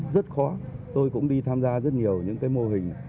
rất khó tôi cũng đi tham gia rất nhiều những cái mô hình